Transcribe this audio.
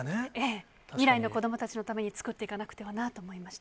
未来の子どもたちのために作っていかなくてはなと思いました。